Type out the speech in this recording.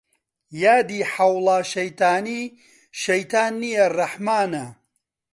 یادی حەوڵا شەیتانی شەیتان نیە ڕەحمانە